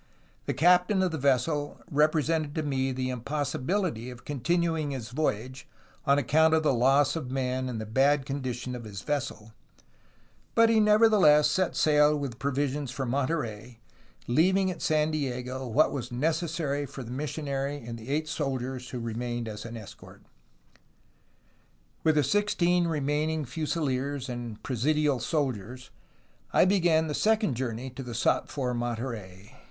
The captain of the vessel represented to me the impossibility of continuing his voy age, on account of the loss of men and the bad condition of his vessel, but he nevertheless set sail with provisions for Monterey, leaving at San Diego what was necessary for the missionary and the eight soldiers who remained as an escort. "With the sixteen remaining fusiliers and presidial soldiers, I began the second journey to the sought for Monterey.